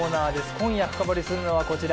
今夜深掘りするのはこちら。